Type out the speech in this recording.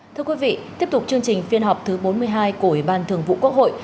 thưa quý vị tiếp tục chương trình phiên họp thứ bốn mươi hai của ủy ban thường vụ quốc hội